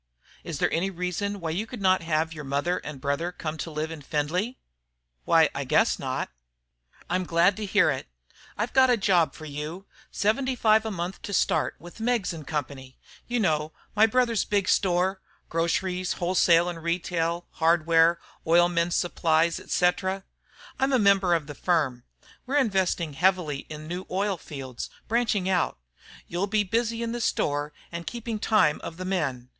"Is there any reason why you could not have your mother and brother come to live in Findlay?" "Why, I guess not." "I'm glad to hear it. I've got a job for you, seventy five a month to start with. Meggs & Co. you know my brother's big store, groceries, wholesale and retail, hardware, oil men's supplies, etc. I'm a member of the firm. We are investing heavily in new oil fields, branching out. You'll be busy in the store and keeping time of the men.